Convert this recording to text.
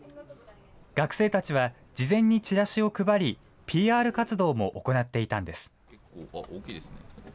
学生たちは事前にチラシを配り、ＰＲ活動も行っていたんです。